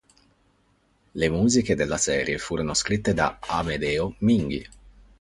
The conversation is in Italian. Le musiche delle serie furono scritte da Amedeo Minghi.